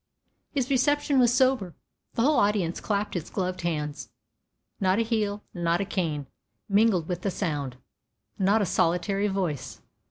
His reception was sober. The whole audience clapped its gloved hands. Not a heel, not a cane, mingled with the sound, not a solitary voice.